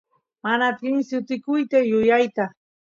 mana atini sutikuta yuyayta